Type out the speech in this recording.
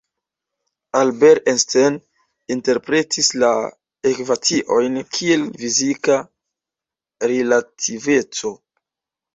Albert Einstein interpretis la ekvaciojn kiel fizika relativeco.